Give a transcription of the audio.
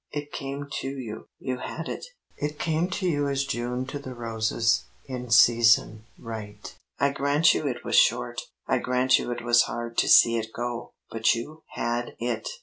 It came to you. You had it. It came to you as June to the roses, in season, right. I grant you it was short. I grant you it was hard to see it go. But you had it!